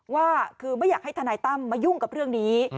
ว่าคือไม่อยากให้ทนายตั้มมายุ่งกับเรื่องนี้